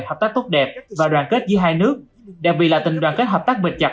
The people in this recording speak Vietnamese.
hợp tác tốt đẹp và đoàn kết giữa hai nước đặc biệt là tình đoàn kết hợp tác bình chặt